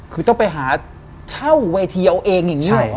คือต้องไปหาเช่าเวทีเอาเองอย่างนี้หรอ